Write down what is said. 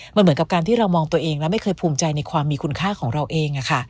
มันเหมือนกับการที่เรามองตัวเองแล้วไม่เคยภูมิใจในความมีคุณค่าของเราเอง